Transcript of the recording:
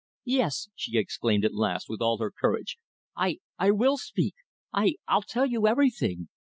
"Yes," she exclaimed at last, with all her courage, "I I will speak. I I'll tell you everything.